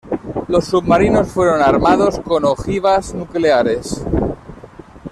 Los submarinos fueron armados con ojivas nucleares.